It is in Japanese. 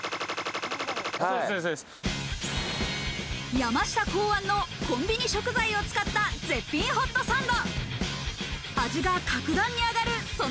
山下考案のコンビニ食材を使った絶品ホットサンド。